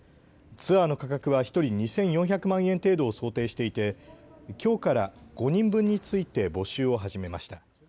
ツアーの価格は１人２４００万円程度を想定していて、きょうから５人分について募集を始めました。